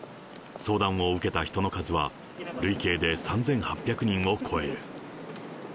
相談を受けた人の数は、累計で３８００人を超える。